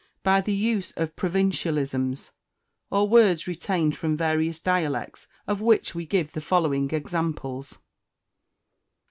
By the Use of Provincialisms, or words retained from various dialects, of which we give the following examples: 169.